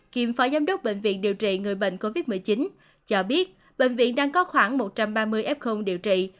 kiêm phó giám đốc bệnh viện điều trị người bệnh covid một mươi chín cho biết bệnh viện đang có khoảng một trăm ba mươi f điều trị